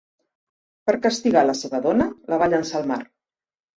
Per castigar a la seva dona la va llençar al mar.